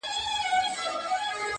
هسې بې ځايه موج مستي راله خوند نه راکوي